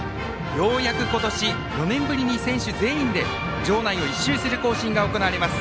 ようやく今年４年ぶりに選手全員で場内を１周する行進が行われます。